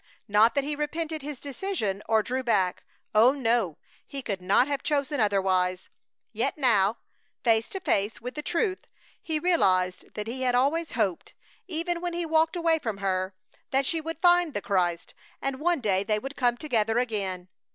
Not that he repented his decision or drew back. Oh no! He could not have chosen otherwise. Yet now, face to face with the truth, he realized that he had always hoped, even when he walked away from her, that she would find the Christ and one day they would come together again.